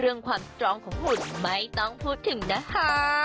เรื่องความสตรองของหุ่นไม่ต้องพูดถึงนะคะ